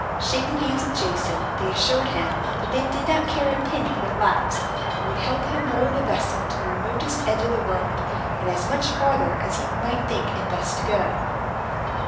Shaking hands with Jason, they assured him that they did not care a pin for their lives, but would help row the vessel to the remotest edge of the world, and as much farther as he might think it best to go.